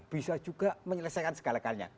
bisa juga menyelesaikan segala halnya